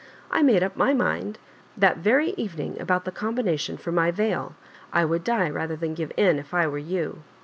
I made up my mind that very even ing about the combination for my veU. I would die rather than'give in if I were you."